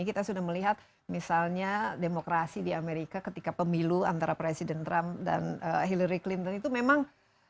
kita sudah melihat misalnya demokrasi di amerika ketika pemilu antara presiden trump dan hillary clinton itu memang